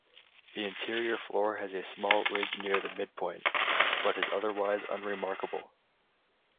The interior floor has a small ridge near the midpoint, but is otherwise unremarkable.